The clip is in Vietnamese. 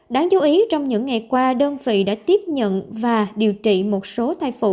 đáng chú ý trong những ngày qua đơn vị đã tiếp nhận và điều trị một số thai phụ